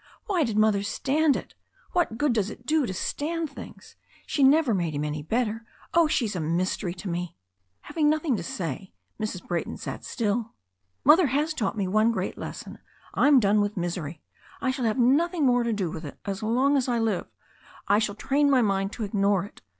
Why did Mother stand it? What good does it do to stand things? She never made him any bet ter. Oh, she's a mystery to me." Having nothing to say, Mrs. Brayton sat still. "Mother has taught me one great lesson. I'm done with misery. I shall have nothing more to do with it as long aa I live. I shall train my mind to ignore it.